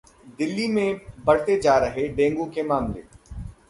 दिल्ली में बढ़ते जा रहे हैं डेंगू के मामले